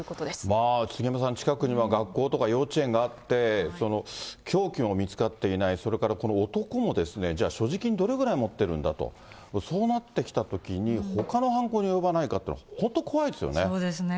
まあ、近くには学校とか幼稚園があって、凶器も見つかっていない、それからこの男もじゃあ、所持金、どれぐらい持ってるんだと。そうなってきたときに、ほかの犯行に及ばないかっていうのは、本そうですね。